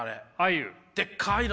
でっかいの。